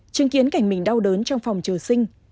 chứng kiến cảnh mình đau đớn trong phòng chờ sinh